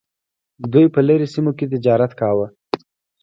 دوی په لرې سیمو کې تجارت کاوه